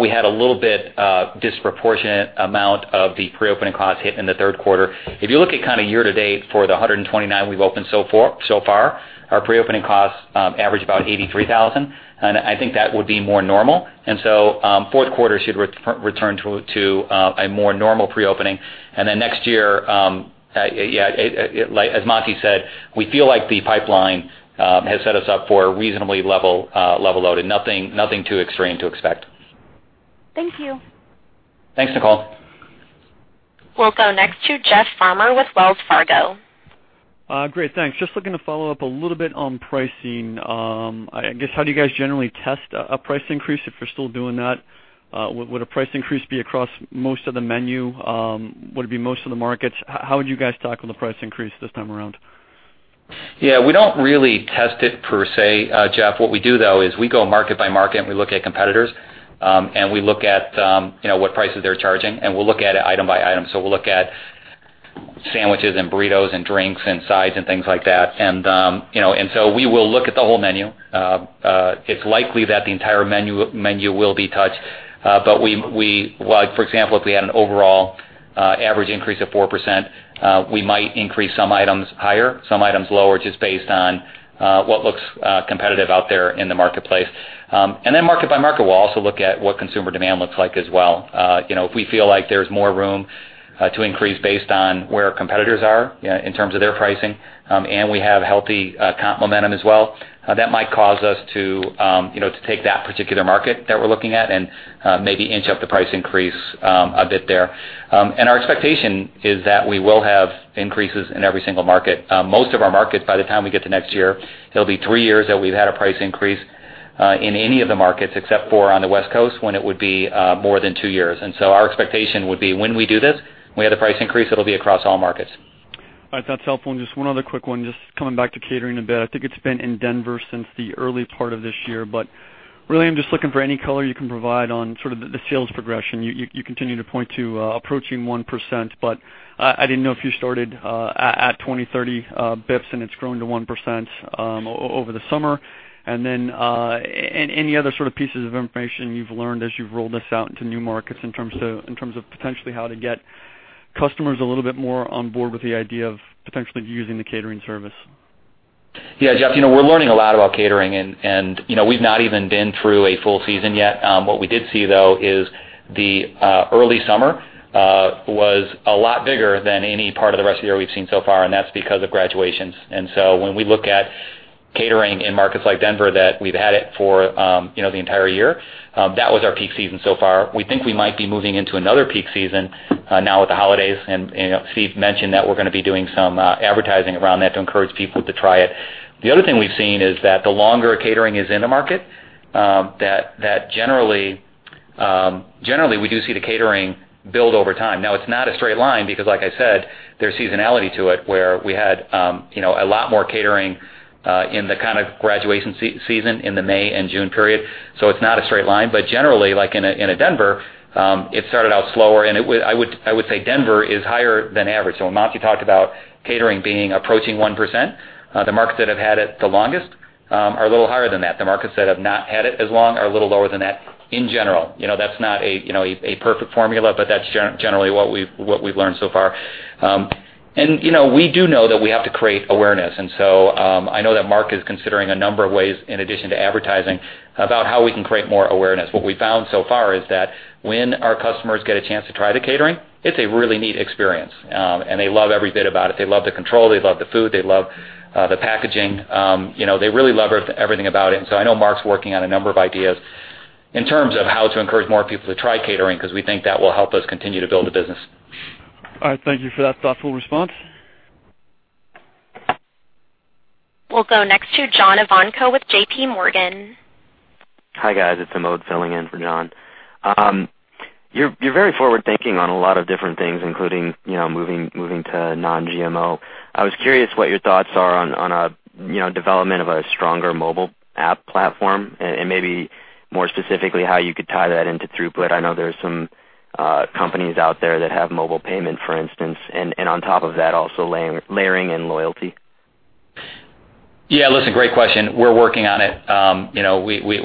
we had a little bit disproportionate amount of the pre-opening costs hit in the third quarter. If you look at year to date for the 129 we've opened so far, our pre-opening costs average about $83,000, I think that would be more normal. Fourth quarter should return to a more normal pre-opening. Next year, as Monty said, we feel like the pipeline has set us up for a reasonably level load, nothing too extreme to expect. Thank you. Thanks, Nicole. We'll go next to Jeff Farmer with Wells Fargo. Great. Thanks. Just looking to follow up a little bit on pricing. I guess, how do you guys generally test a price increase, if you're still doing that? Would a price increase be across most of the menu? Would it be most of the markets? How would you guys tackle the price increase this time around? Yeah, we don't really test it per se, Jeff. We do, though, is we go market by market, we look at competitors, we look at what prices they're charging, we'll look at it item by item. We'll look at sandwiches and burritos and drinks and sides and things like that. We will look at the whole menu. It's likely that the entire menu will be touched. For example, if we had an overall average increase of 4%, we might increase some items higher, some items lower, just based on what looks competitive out there in the marketplace. Then market by market, we'll also look at what consumer demand looks like as well. If we feel like there's more room to increase based on where competitors are in terms of their pricing, we have healthy comp momentum as well, that might cause us to take that particular market that we're looking at and maybe inch up the price increase a bit there. Our expectation is that we will have increases in every single market. Most of our markets, by the time we get to next year, it'll be three years that we've had a price increase in any of the markets except for on the West Coast, when it would be more than two years. Our expectation would be when we do this, when we have the price increase, it'll be across all markets. All right. That's helpful. Just one other quick one, just coming back to catering a bit. I think it's been in Denver since the early part of this year, but really, I'm just looking for any color you can provide on sort of the sales progression. You continue to point to approaching 1%, but I didn't know if you started at 20 basis points, 30 basis points and it's grown to 1% over the summer. Then, any other sort of pieces of information you've learned as you've rolled this out into new markets in terms of potentially how to get customers a little bit more on board with the idea of potentially using the catering service? Yeah, Jeff, we're learning a lot about catering, we've not even been through a full season yet. What we did see, though, is the early summer was a lot bigger than any part of the rest of the year we've seen so far, and that's because of graduations. When we look at catering in markets like Denver, that we've had it for the entire year, that was our peak season so far. We think we might be moving into another peak season now with the holidays, Steve mentioned that we're going to be doing some advertising around that to encourage people to try it. The other thing we've seen is that the longer catering is in the market, that generally, we do see the catering build over time. It's not a straight line because like I said, there's seasonality to it where we had a lot more catering in the kind of graduation season in the May and June period. It's not a straight line, but generally, like in Denver, it started out slower, and I would say Denver is higher than average. When Monty talked about catering approaching 1%, the markets that have had it the longest are a little higher than that. The markets that have not had it as long are a little lower than that in general. That's not a perfect formula, but that's generally what we've learned so far. We do know that we have to create awareness. I know that Mark is considering a number of ways in addition to advertising about how we can create more awareness. What we've found so far is that when our customers get a chance to try the catering, it's a really neat experience, and they love every bit about it. They love the control. They love the food. They love the packaging. They really love everything about it. I know Mark's working on a number of ideas in terms of how to encourage more people to try catering because we think that will help us continue to build the business. All right. Thank you for that thoughtful response. We'll go next to John Ivankoe with JPMorgan. Hi, guys. It's Amod filling in for John. You're very forward-thinking on a lot of different things, including moving to non-GMO. I was curious what your thoughts are on a development of a stronger mobile app platform, and maybe more specifically, how you could tie that into throughput. I know there's some companies out there that have mobile payment, for instance, and on top of that, also layering in loyalty. Yeah, listen, great question. We're working on it.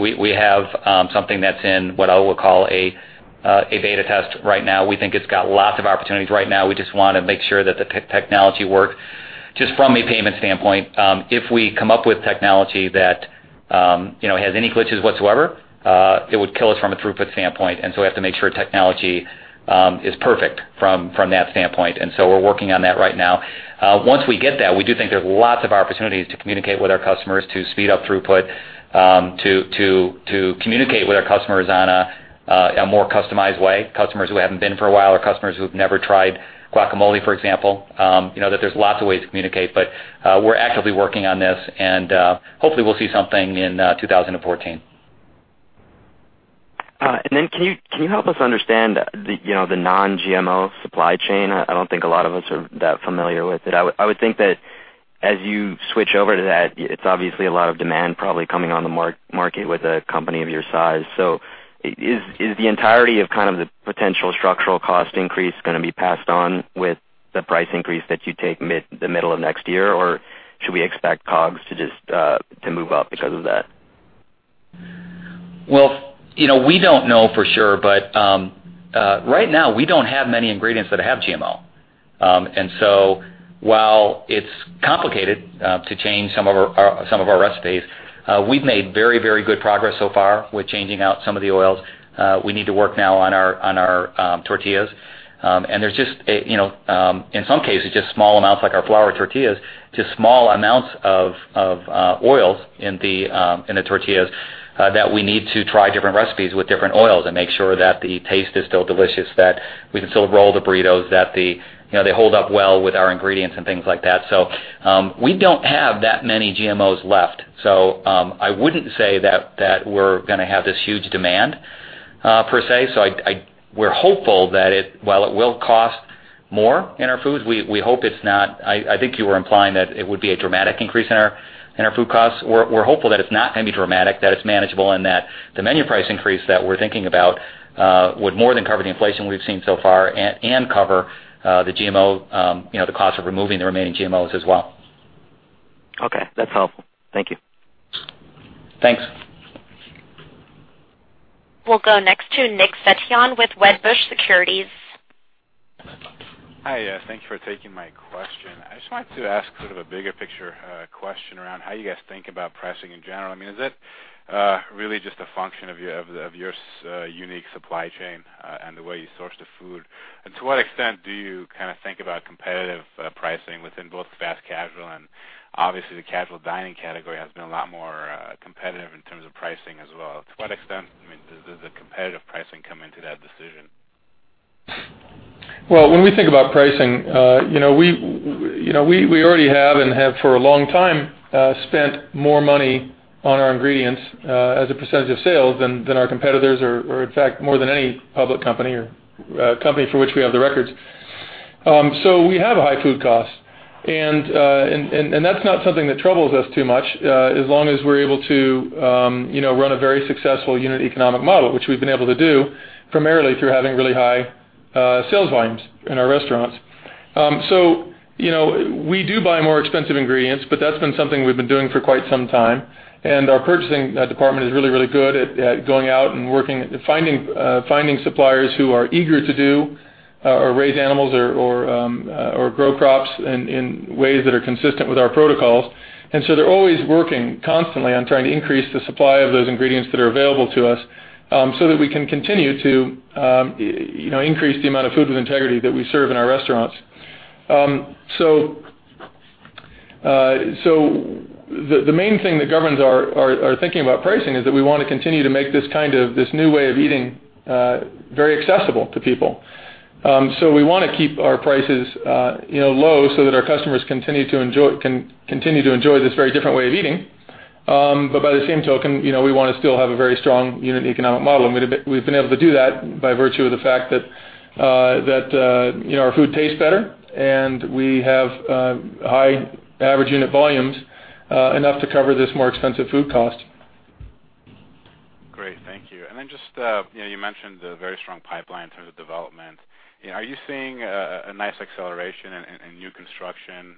We have something that's in what I will call a beta test right now. We think it's got lots of opportunities right now. We just want to make sure that the technology works. Just from a payment standpoint, if we come up with technology that has any glitches whatsoever, it would kill us from a throughput standpoint, and so we have to make sure technology is perfect from that standpoint. We're working on that right now. Once we get that, we do think there's lots of opportunities to communicate with our customers to speed up throughput, to communicate with our customers on a more customized way. Customers who haven't been for a while or customers who have never tried guacamole, for example. There's lots of ways to communicate, but we're actively working on this and hopefully we'll see something in 2014. Can you help us understand the non-GMO supply chain? I don't think a lot of us are that familiar with it. I would think that as you switch over to that, it's obviously a lot of demand probably coming on the market with a company of your size. Is the entirety of kind of the potential structural cost increase going to be passed on with the price increase that you take the middle of next year, or should we expect COGS to move up because of that? Well, we don't know for sure, but right now we don't have many ingredients that have GMO. While it's complicated to change some of our recipes, we've made very good progress so far with changing out some of the oils. We need to work now on our tortillas. There's just, in some cases, just small amounts like our flour tortillas, just small amounts of oils in the tortillas that we need to try different recipes with different oils and make sure that the taste is still delicious, that we can still roll the burritos, that they hold up well with our ingredients and things like that. We don't have that many GMOs left. I wouldn't say that we're going to have this huge demand per se. We're hopeful that while it will cost more in our foods, I think you were implying that it would be a dramatic increase in our food costs. We're hopeful that it's not going to be dramatic, that it's manageable, and that the menu price increase that we're thinking about would more than cover the inflation we've seen so far and cover the cost of removing the remaining GMOs as well. Okay. That's helpful. Thank you. Thanks. We'll go next to Nick Setyan with Wedbush Securities. Hi, thank you for taking my question. I just wanted to ask sort of a bigger picture question around how you guys think about pricing in general. Is it really just a function of your unique supply chain and the way you source the food? To what extent do you think about competitive pricing within both fast casual and obviously the casual dining category has been a lot more competitive in terms of pricing as well. To what extent does the competitive pricing come into that decision? Well, when we think about pricing, we already have and have for a long time spent more money on our ingredients as a percentage of sales than our competitors or, in fact, more than any public company or company for which we have the records. We have a high food cost. That's not something that troubles us too much, as long as we're able to run a very successful unit economic model, which we've been able to do primarily through having really high sales volumes in our restaurants. We do buy more expensive ingredients, but that's been something we've been doing for quite some time. Our purchasing department is really, really good at going out and working, finding suppliers who are eager to do or raise animals or grow crops in ways that are consistent with our protocols. They're always working constantly on trying to increase the supply of those ingredients that are available to us, so that we can continue to increase the amount of food with integrity that we serve in our restaurants. The main thing that governs our thinking about pricing is that we want to continue to make this new way of eating very accessible to people. We want to keep our prices low so that our customers continue to enjoy this very different way of eating. By the same token, we want to still have a very strong unit economic model, and we've been able to do that by virtue of the fact that our food tastes better, and we have high average unit volumes, enough to cover this more expensive food cost. Great, thank you. Just you mentioned the very strong pipeline in terms of development. Are you seeing a nice acceleration in new construction?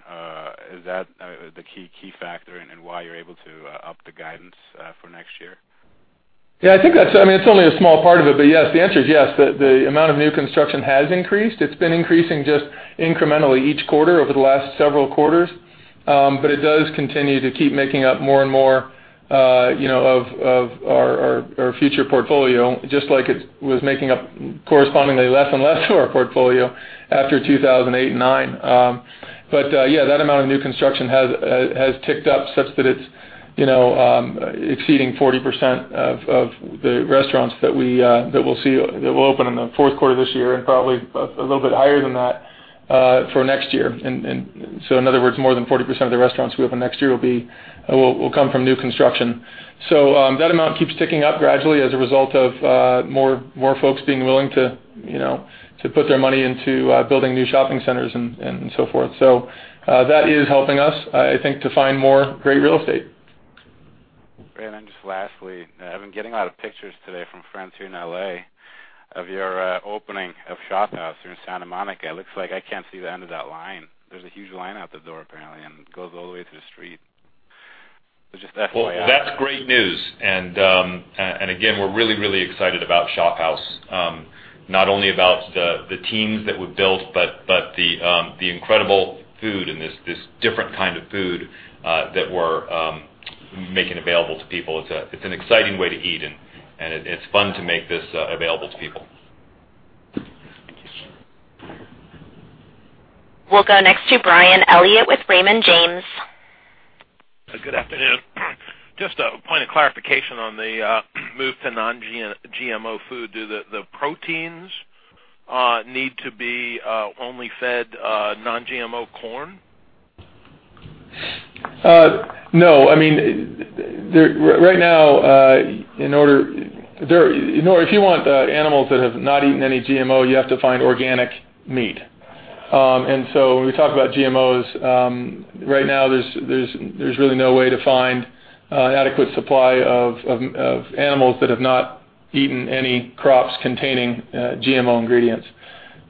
Is that the key factor in why you're able to up the guidance for next year? Yes, it's only a small part of it, but yes. The answer is yes. The amount of new construction has increased. It's been increasing just incrementally each quarter over the last several quarters. It does continue to keep making up more and more of our future portfolio, just like it was making up correspondingly less and less of our portfolio after 2008 and 2009. That amount of new construction has ticked up such that it's exceeding 40% of the restaurants that will open in the fourth quarter of this year and probably a little bit higher than that for next year. In other words, more than 40% of the restaurants we open next year will come from new construction. That amount keeps ticking up gradually as a result of more folks being willing to put their money into building new shopping centers and so forth. That is helping us, I think, to find more great real estate. Great. Just lastly, I've been getting a lot of pictures today from friends here in L.A. of your opening of ShopHouse here in Santa Monica. It looks like I can't see the end of that line. There's a huge line out the door, apparently, and it goes all the way to the street. Just FYI. Well, that's great news. Again, we're really excited about ShopHouse. Not only about the teams that we've built, but the incredible food and this different kind of food that we're making available to people. It's an exciting way to eat, and it's fun to make this available to people. We'll go next to Bryan Elliott with Raymond James. Good afternoon. Just a point of clarification on the move to non-GMO food. Do the proteins need to be only fed non-GMO corn? No. If you want animals that have not eaten any GMO, you have to find organic meat. When we talk about GMOs, right now, there's really no way to find an adequate supply of animals that have not eaten any crops containing GMO ingredients.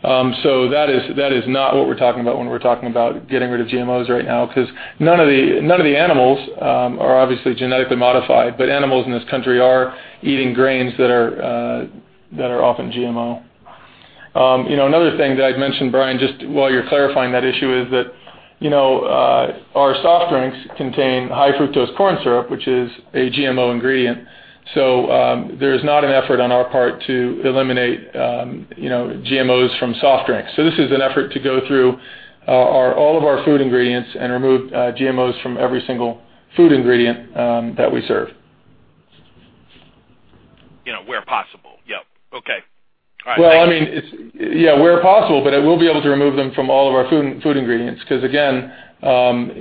That is not what we're talking about when we're talking about getting rid of GMOs right now, because none of the animals are obviously genetically modified, but animals in this country are eating grains that are often GMO. Another thing that I'd mention, Bryan, just while you're clarifying that issue, is that our soft drinks contain high fructose corn syrup, which is a GMO ingredient. There is not an effort on our part to eliminate GMOs from soft drinks. This is an effort to go through all of our food ingredients and remove GMOs from every single food ingredient that we serve. Where possible. Yep. Okay. All right. Yeah, where possible. We'll be able to remove them from all of our food ingredients. Because, again, an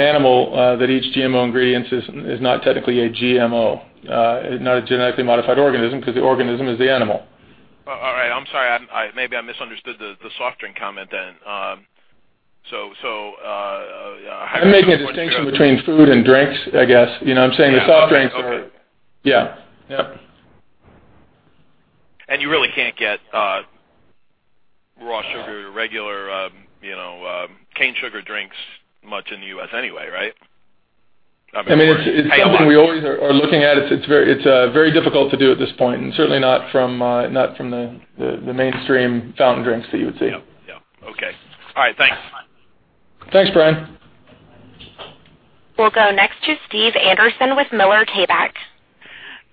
animal that eats GMO ingredients is not technically a GMO, not a genetically modified organism, because the organism is the animal. All right. I'm sorry. Maybe I misunderstood the soft drink comment then. I'm making a distinction between food and drinks, I guess. I'm saying the soft drinks are. Okay. Yeah. You really can't get Your regular cane sugar drinks much in the U.S. anyway, right? It's something we always are looking at. It's very difficult to do at this point, and certainly not from the mainstream fountain drinks that you would see. Yep. Okay. All right. Thanks. Thanks, Bryan. We'll go next to Stephen Anderson with Miller Tabak.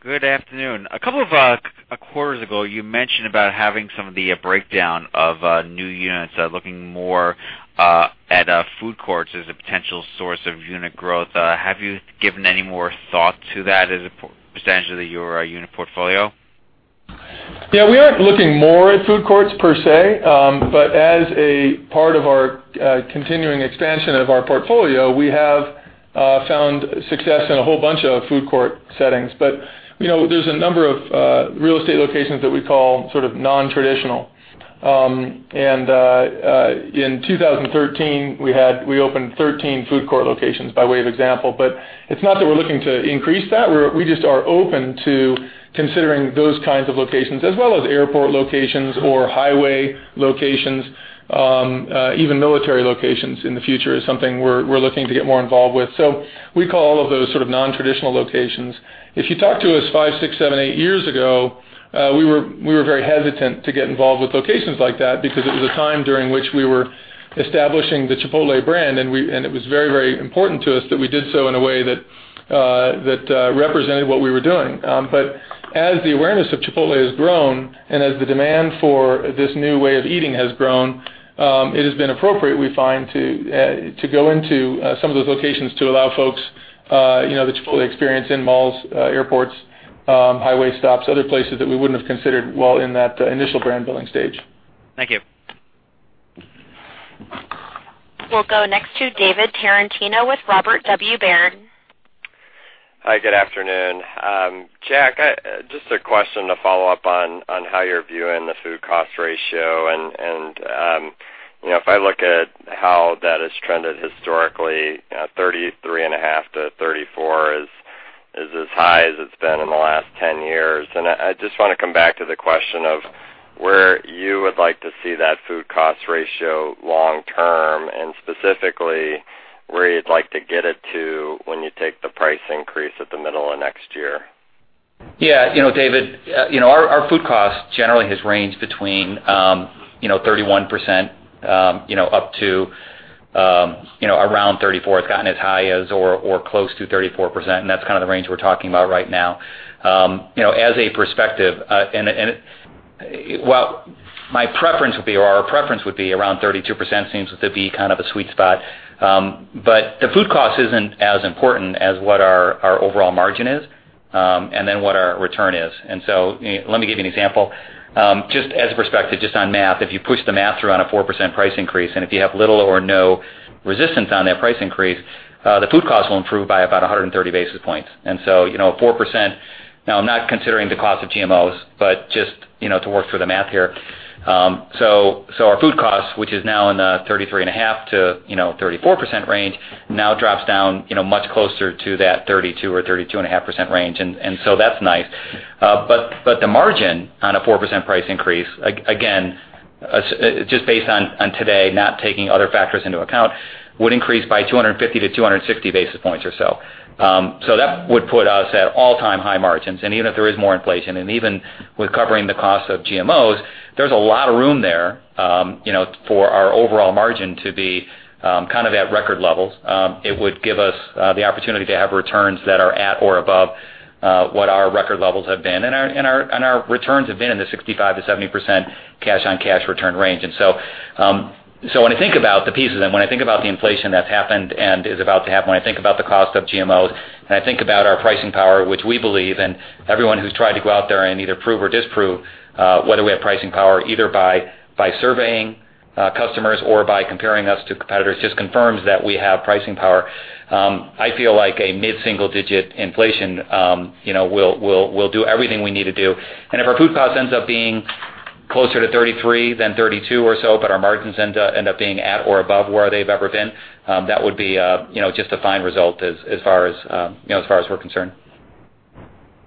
Good afternoon. A couple of quarters ago, you mentioned about having some of the breakdown of new units, looking more at food courts as a potential source of unit growth. Have you given any more thought to that as a potential to your unit portfolio? Yeah, we aren't looking more at food courts per se. As a part of our continuing expansion of our portfolio, we have found success in a whole bunch of food court settings. There's a number of real estate locations that we call sort of non-traditional. In 2013, we opened 13 food court locations, by way of example. It's not that we're looking to increase that. We just are open to considering those kinds of locations, as well as airport locations or highway locations. Even military locations in the future is something we're looking to get more involved with. We call all of those sort of non-traditional locations. If you talked to us five, six, seven, eight years ago, we were very hesitant to get involved with locations like that because it was a time during which we were establishing the Chipotle brand, and it was very important to us that we did so in a way that represented what we were doing. As the awareness of Chipotle has grown, and as the demand for this new way of eating has grown, it has been appropriate, we find, to go into some of those locations to allow folks the Chipotle experience in malls, airports, highway stops, other places that we wouldn't have considered while in that initial brand-building stage. Thank you. We'll go next to David Tarantino with Robert W. Baird. Hi, good afternoon. Jack, just a question to follow up on how you're viewing the food cost ratio and, if I look at how that has trended historically, 33.5%-34% is as high as it's been in the last 10 years. I just want to come back to the question of where you would like to see that food cost ratio long term, and specifically where you'd like to get it to when you take the price increase at the middle of next year. Yeah. David, our food cost generally has ranged between 31% up to around 34%. It's gotten as high as or close to 34%, that's kind of the range we're talking about right now. As a perspective, my preference would be, or our preference would be around 32% seems to be kind of a sweet spot. The food cost isn't as important as what our overall margin is, what our return is. Let me give you an example. Just as a perspective, just on math, if you push the math around a 4% price increase, if you have little or no resistance on that price increase, the food cost will improve by about 130 basis points. 4%, now I'm not considering the cost of GMOs, just to work through the math here. Our food cost, which is now in the 33.5%-34% range, now drops down much closer to that 32% or 32.5% range, that's nice. The margin on a 4% price increase, again, just based on today, not taking other factors into account, would increase by 250-260 basis points or so. That would put us at all-time high margins. Even if there is more inflation, even with covering the cost of GMOs, there's a lot of room there for our overall margin to be kind of at record levels. It would give us the opportunity to have returns that are at or above what our record levels have been. Our returns have been in the 65%-70% cash-on-cash return range. When I think about the pieces, when I think about the inflation that's happened and is about to happen, when I think about the cost of GMOs, I think about our pricing power, which we believe, everyone who's tried to go out there and either prove or disprove whether we have pricing power, either by surveying customers or by comparing us to competitors, just confirms that we have pricing power. I feel like a mid-single-digit inflation will do everything we need to do. If our food cost ends up being closer to 33% than 32% or so, our margins end up being at or above where they've ever been, that would be just a fine result as far as we're concerned.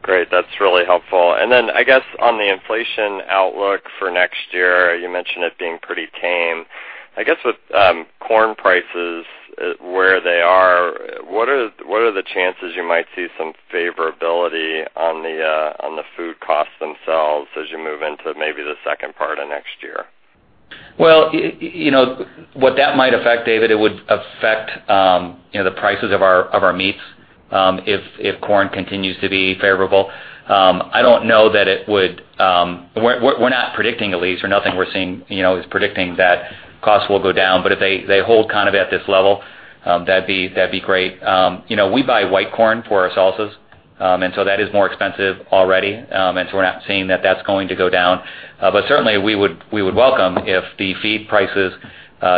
Great. That's really helpful. I guess on the inflation outlook for next year, you mentioned it being pretty tame. With corn prices where they are, what are the chances you might see some favorability on the food costs themselves as you move into maybe the second part of next year? Well, what that might affect, David, it would affect the prices of our meats, if corn continues to be favorable. We're not predicting, at least, or nothing we're seeing is predicting that costs will go down, but if they hold kind of at this level, that'd be great. We buy white corn for our salsas. That is more expensive already, and so we're not seeing that that's going to go down. Certainly, we would welcome if the feed prices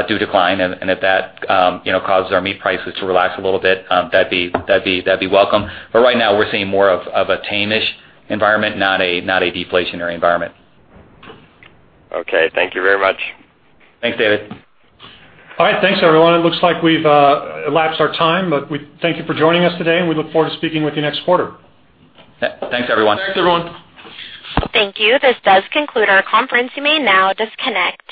do decline, and if that causes our meat prices to relax a little bit, that'd be welcome. Right now, we're seeing more of a tame-ish environment, not a deflationary environment. Okay. Thank you very much. Thanks, David. All right. Thanks, everyone. It looks like we've elapsed our time, but thank you for joining us today, and we look forward to speaking with you next quarter. Thanks, everyone. Thanks, everyone. Thank you. This does conclude our conference. You may now disconnect.